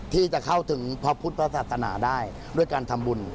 ที่จะเข้าถึงพระพุทธศาสนาได้ด้วยการทำบุญ